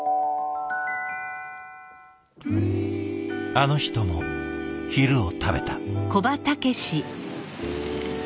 あの人も昼を食べた。